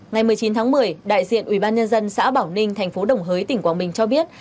ngày một mươi chín tháng một mươi đại diện ubnd xã bảo ninh thành phố đồng hới tỉnh quảng bình cho biết